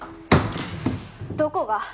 どこが？